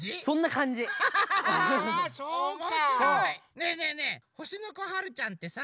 ねえねえねえほしのこはるちゃんってさ